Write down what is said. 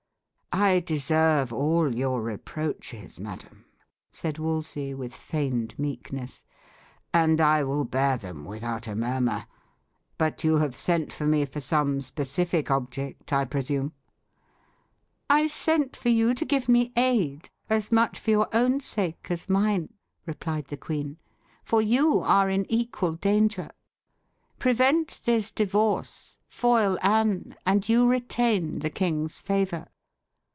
"I deserve all your reproaches, madam," said Wolsey, with feigned meekness; "and I will bear them without a murmur. But you have sent for me for some specific object, I presume?" "I sent for you to give me aid, as much for your own sake as mine," replied the queen, "for you are in equal danger. Prevent this divorce foil Anne and you retain the king's favour.